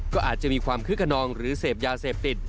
ก็อาจจะมีความคึกขนองหรือเสพยาเสพติด